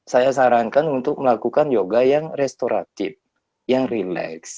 saya sarankan untuk melakukan yoga yang restoratif yang relax